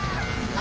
あ！